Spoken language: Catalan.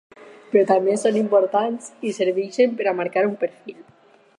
Però també són importants i serveixen per a marcar un perfil.